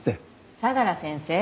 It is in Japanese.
相良先生。